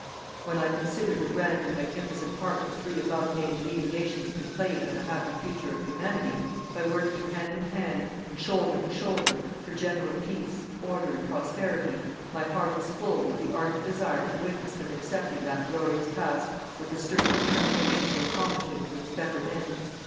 When I consider the grand and magnificent part the three above named leading nations can play for the happy future of Humanity, by working hand in hand, and shoulder to shoulder, for general peace, order and prosperity, my heart is full with the ardent desire to witness them accepting that glorious task with the stern determination to accomplish it to its better end.